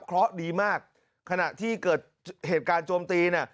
เพราะดีมากขณะที่เกิดเหตุการณ์โจมตีเนี่ย